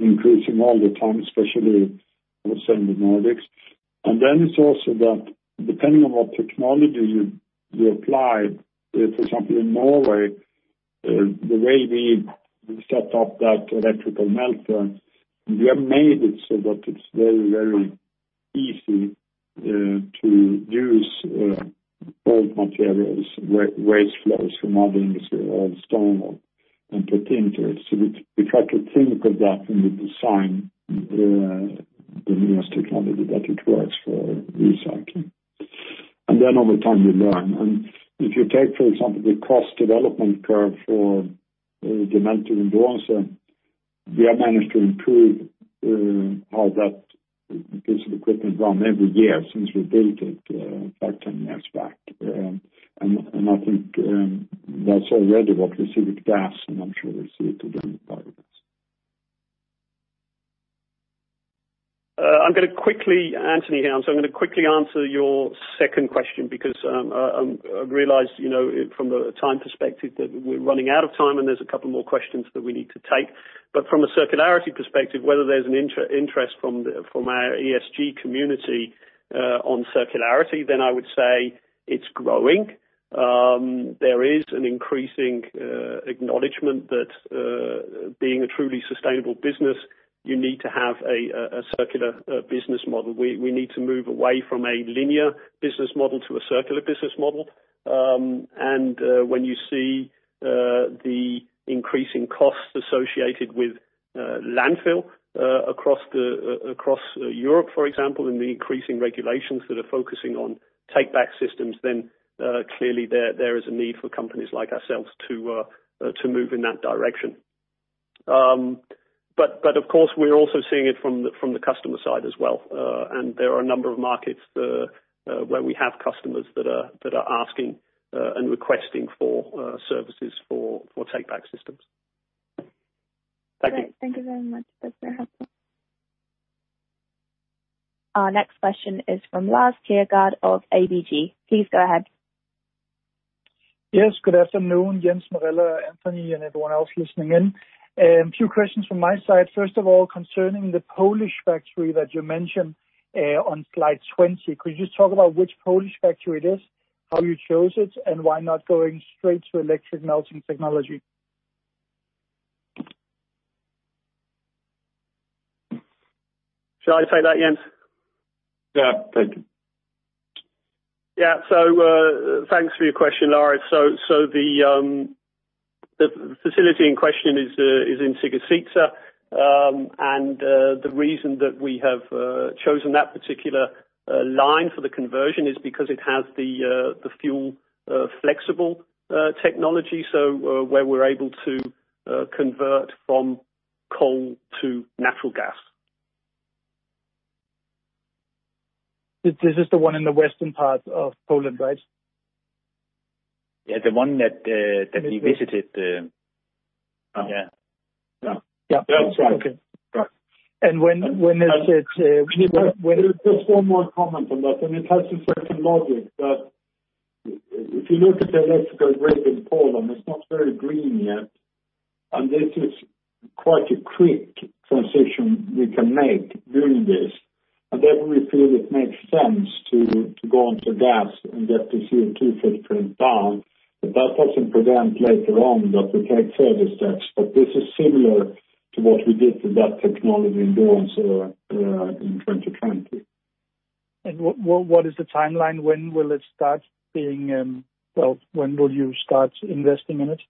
increasing all the time, especially, I would say, in the Nordics. And then it's also that depending on what technology you apply, for example, in Norway, the way we set up that electrical melter, we have made it so that it's very, very easy to use old materials, waste flows from other industries, old stone wool, and put into it. So we try to think of that in the design, the newest technology that it works for recycling. And then over time, you learn. And if you take, for example, the cost development curve for tthe melter in Doense, we have managed to improve how that piece of equipment runs every year since we built it 5, 10 years back. And I think that's already what we see with gas, and I'm sure we'll see it with the new biogas. So I'm going to quickly answer your second question because I realize from the time perspective that we're running out of time, and there's a couple more questions that we need to take. But from a circularity perspective, whether there's an interest from our ESG community on circularity, then I would say it's growing. There is an increasing acknowledgment that being a truly sustainable business, you need to have a circular business model. We need to move away from a linear business model to a circular business model. When you see the increasing costs associated with landfill across Europe, for example, and the increasing regulations that are focusing on take-back systems, then clearly there is a need for companies like ourselves to move in that direction. But of course, we're also seeing it from the customer side as well. And there are a number of markets where we have customers that are asking and requesting for services for take-back systems. Thank you. Thank you very much. That's very helpful. Our next question is from Lars Kjaergaard of ABG. Please go ahead. Yes. Good afternoon, Jens, Mirella, Anthony, and everyone else listening in. A few questions from my side. First of all, concerning the Polish factory that you mentioned on slide 20, could you just talk about which Polish factory it is, how you chose it, and why not going straight to electrical melting technology? Shall I take that, Jens? Yeah. Thank you. Yeah. So thanks for your question, Lars. So the facility in question is in Cigacice. And the reason that we have chosen that particular line for the conversion is because it has the fuel-flexible technology, so where we're able to convert from coal to natural gas. This is the one in the western part of Poland, right? Yeah. The one that we visited. Yeah. Yeah. That's right. Right. And when is it? Just one more comment on that. And it has to fit the logic that if you look at the electrical grid in Poland, it's not very green yet. And this is quite a quick transition we can make doing this. And then we feel it makes sense to go on to gas and get the CO2 footprint down. But that doesn't prevent later on that we take further steps. But this is similar to what we did with that technology in Doense. And what is the timeline? When will it start being well, when will you start investing in it?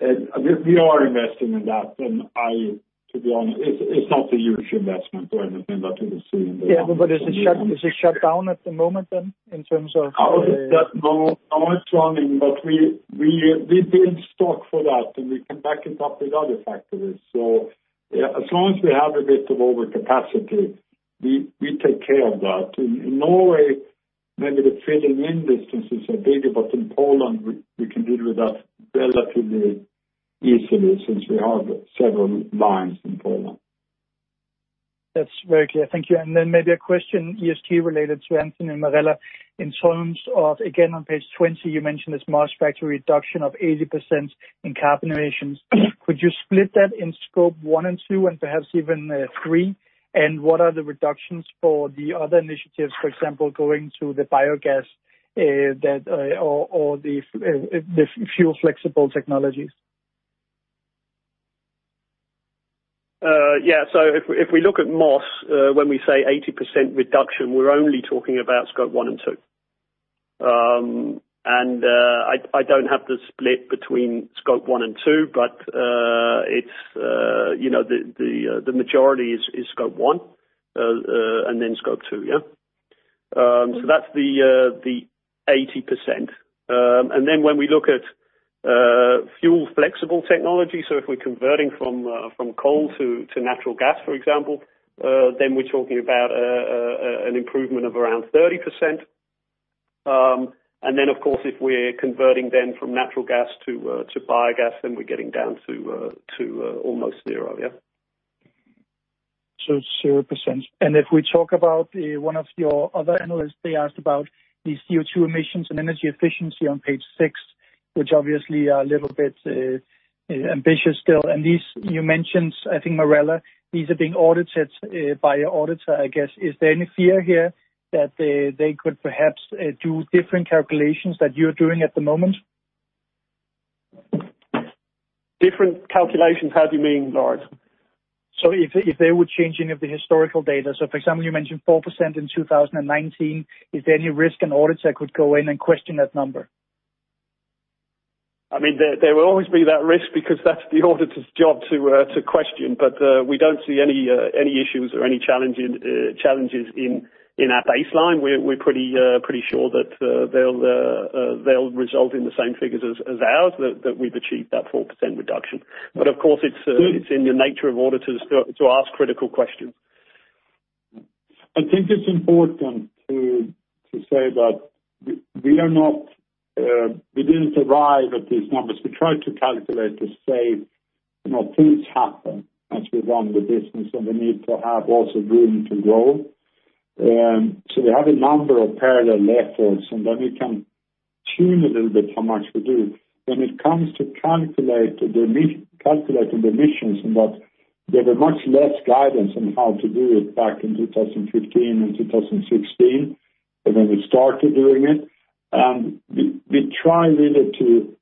We are investing in that. And to be honest, it's not a huge investment or anything that you will see in the. Yeah. But is it shut down at the moment then in terms of? Oh, it's not running. But we build stock for that, and we can back it up with other factories. So as long as we have a bit of overcapacity, we take care of that. In Norway, maybe the filling-in distances are bigger, but in Poland, we can deal with that relatively easily since we have several lines in Poland. That's very clear. Thank you. And then maybe a question ESG-related to Anthony and Mirella. In terms of, again, on page 20, you mentioned this Moss factory reduction of 80% in carbon emissions. Could you split that in Scope 1 and 2 and perhaps even 3? And what are the reductions for the other initiatives, for example, going to the biogas or the fuel-flexible technologies? Yeah. So if we look at Moss, when we say 80% reduction, we're only talking about Scope 1 and 2. And I don't have the split between Scope 1 and 2, but the majority is Scope 1 and then Scope 2. Yeah. So that's the 80%. And then when we look at fuel-flexible technology, so if we're converting from coal to natural gas, for example, then we're talking about an improvement of around 30%. And then, of course, if we're converting then from natural gas to biogas, then we're getting down to almost zero. Yeah. So 0%. If we talk about one of your other analysts, they asked about the CO2 emissions and energy efficiency on page six, which obviously are a little bit ambitious still. You mentioned, I think, Mirella, these are being audited by an auditor, I guess. Is there any fear here that they could perhaps do different calculations that you're doing at the moment? Different calculations? How do you mean, Lars? So if they would change any of the historical data? So for example, you mentioned 4% in 2019. Is there any risk an auditor could go in and question that number? I mean, there will always be that risk because that's the auditor's job to question. But we don't see any issues or any challenges in our baseline. We're pretty sure that they'll result in the same figures as ours, that we've achieved that 4% reduction. But of course, it's in the nature of auditors to ask critical questions. I think it's important to say that we didn't arrive at these numbers. We tried to calculate to say things happen as we run the business and we need to have also room to grow. So we have a number of parallel efforts, and then we can tune a little bit how much we do. When it comes to calculating the emissions and that, we have much less guidance on how to do it back in 2015 and 2016 than when we started doing it. And we try really to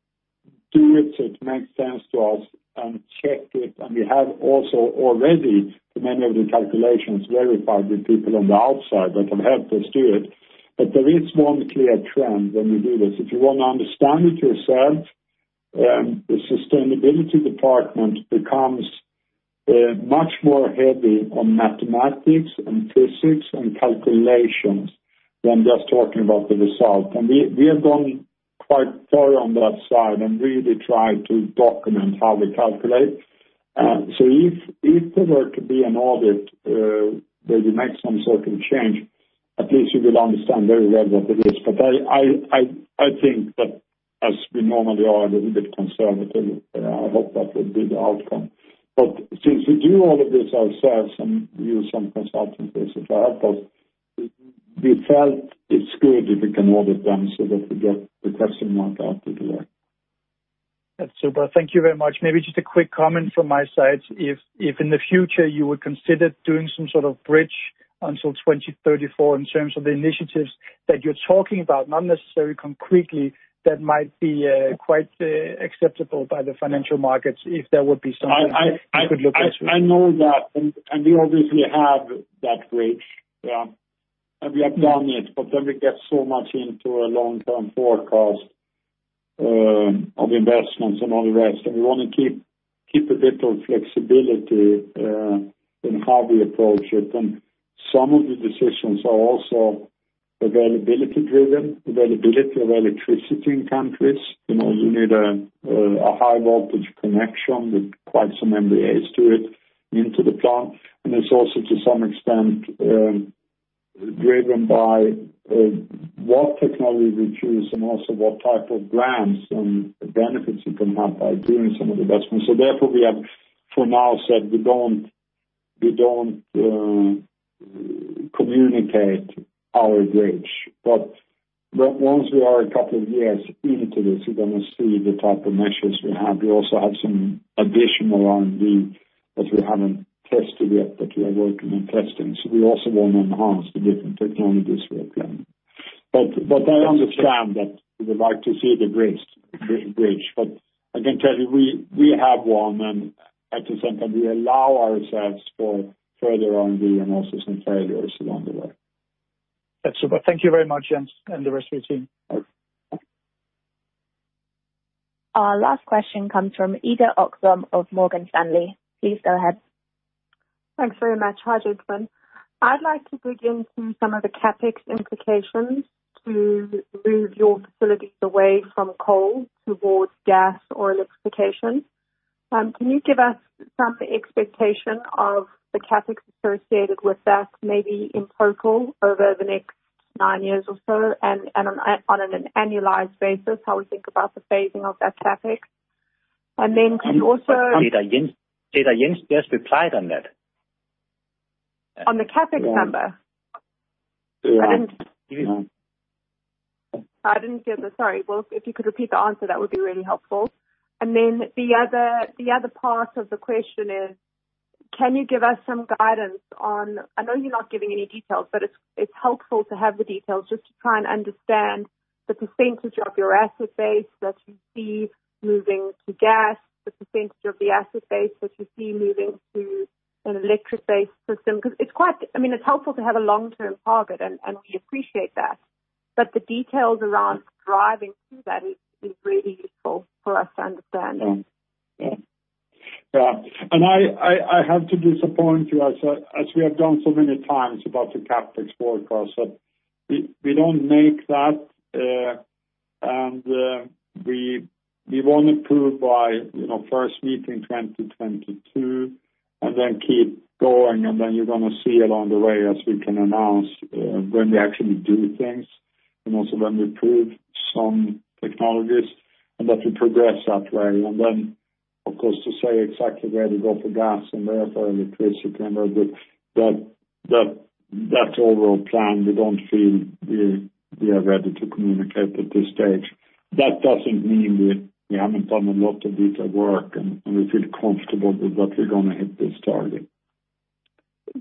do it so it makes sense to us and check it. And we have also already, for many of the calculations, verified with people on the outside that have helped us do it. But there is one clear trend when we do this. If you want to understand it yourself, the sustainability department becomes much more heavy on mathematics and physics and calculations than just talking about the result. And we have gone quite far on that side and really tried to document how we calculate. So if there were to be an audit where we make some sort of change, at least you will understand very well what it is. But I think that, as we normally are, we're a bit conservative. I hope that will be the outcome. But since we do all of this ourselves and use some consultants to help us, we felt it's good if we can audit them so that we get the question mark out of the way. That's super. Thank you very much. Maybe just a quick comment from my side. If in the future you would consider doing some sort of bridge until 2034 in terms of the initiatives that you're talking about, not necessarily concretely, that might be quite acceptable by the financial markets if there would be something you could look into. I know that. And we obviously have that bridge. Yeah. And we have done it, but then we get so much into a long-term forecast of investments and all the rest. And we want to keep a bit of flexibility in how we approach it. And some of the decisions are also availability-driven, availability of electricity in countries. You need a high-voltage connection with quite some MVAs to it into the plant. And it's also to some extent driven by what technology we choose and also what type of grants and benefits you can have by doing some of the investments. So therefore, we have for now said we don't communicate our bridge. But once we are a couple of years into this, you're going to see the type of measures we have. We also have some additional R&D that we haven't tested yet, but we are working on testing. So we also want to enhance the different technologies we are planning. But I understand that we would like to see the bridge. But I can tell you we have one, and at the same time, we allow ourselves for further R&D and also some failures along the way. That's super. Thank you very much, Jens, and the rest of the team. Our last question comes from Cedar Ekblom of Morgan Stanley. Please go ahead. Thanks very much, Gentlemen. I'd like to dig into some of the CapEx implications to move your facilities away from coal towards gas or electrification. Can you give us some expectation of the CapEx associated with that, maybe in total over the next nine years or so, and on an annualized basis, how we think about the phasing of that CapEx? And then can you also. Did I just hear on that? On the CapEx number. I didn't get it. Sorry. Well, if you could repeat the answer, that would be really helpful. And then the other part of the question is, can you give us some guidance on. I know you're not giving any details, but it's helpful to have the details just to try and understand the percentage of your asset base that you see moving to gas, the percentage of the asset base that you see moving to an electric-based system? Because it's quite. I mean, it's helpful to have a long-term target, and we appreciate that. But the details around driving to that is really useful for us to understand. Yeah. Yeah. And I have to disappoint you, as we have done so many times about the CapEx forecast, that we don't make that, and we want to prove by first meeting 2022 and then keep going. And then you're going to see it along the way as we can announce when we actually do things and also when we prove some technologies and that we progress that way. And then, of course, to say exactly where to go for gas and where for electricity and where to do that overall plan, we don't feel we are ready to communicate at this stage. That doesn't mean we haven't done a lot of detailed work, and we feel comfortable that we're going to hit this target.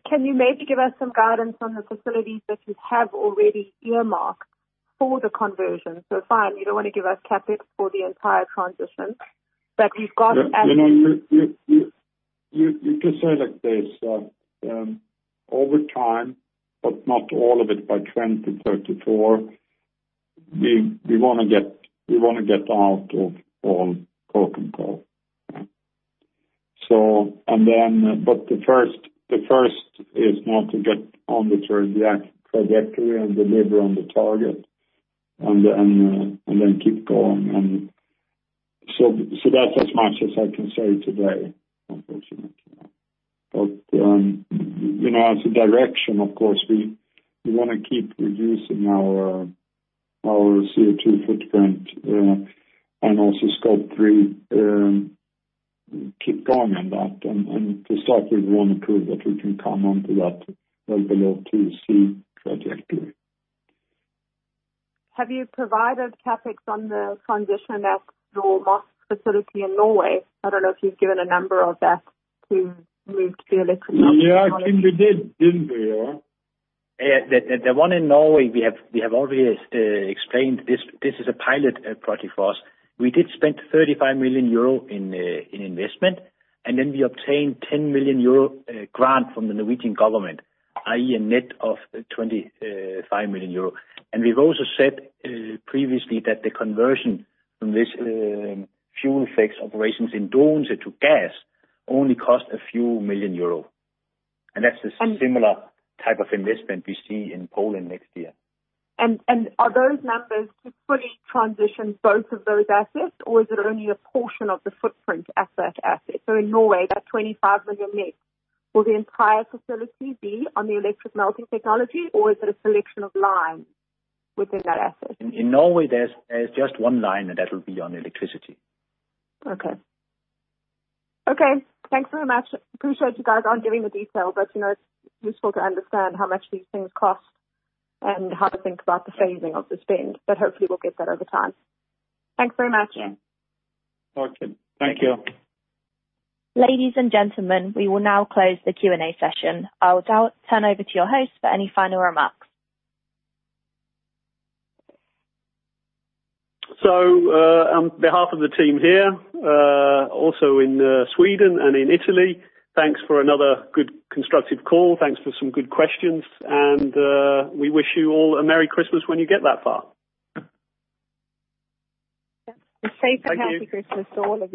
Can you maybe give us some guidance on the facilities that you have already earmarked for the conversion? So fine, you don't want to give us CapEx for the entire transition, but we've got as. You can say it like this. Over time, but not all of it by 2034, we want to get out of all coke and coal. The first is not to get on the trajectory and deliver on the target and then keep going. That's as much as I can say today, unfortunately. As a direction, of course, we want to keep reducing our CO2 footprint and also Scope 3, keep going on that. To start, we want to prove that we can come onto that well below 2°C trajectory. Have you provided CapEx on the transition at your Moss facility in Norway? I don't know if you've given a number of that to move to the electric facility. Yeah. I think we did, didn't we? The one in Norway, we have already explained this is a pilot project for us. We did spend 35 million euro in investment, and then we obtained 10 million euro grant from the Norwegian government, i.e., a net of 25 million euro. And we've also said previously that the conversion from this fuel-flex operations in Doense to gas only cost a few million euros. And that's a similar type of investment we see in Poland next year. And are those numbers to fully transition both of those assets, or is it only a portion of the footprint at that asset? So in Norway, that 25 million net, will the entire facility be on the electric melting technology, or is it a selection of lines within that asset? In Norway, there's just one line that will be on electricity. Okay. Okay. Thanks very much. Appreciate you guys aren't giving the detail, but it's useful to understand how much these things cost and how to think about the phasing of the spend. But hopefully, we'll get that over time. Thanks very much. Okay. Thank you. Ladies and gentlemen, we will now close the Q&A session. I'll turn over to your host for any final remarks. So on behalf of the team here, also in Sweden and in Italy, thanks for another good constructive call. Thanks for some good questions. And we wish you all a Merry Christmas when you get that far. And safe and happy Christmas to all.